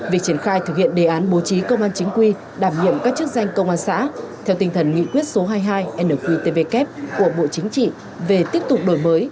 việc triển khai thực hiện đề án bố trí công an chính quy đảm nhiệm các chức danh công an xã theo tinh thần nghị quyết số hai mươi hai nqtvk của bộ chính trị về tiếp tục đổi mới